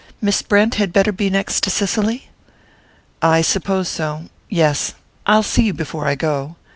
Miss Brent had better be next to Cicely?" "I suppose so yes. I'll see you before I go."